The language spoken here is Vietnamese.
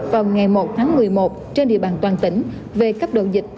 vào ngày một tháng một mươi một trên địa bàn toàn tỉnh về cấp độ dịch